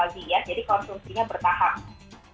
jadi konsumsinya bertahap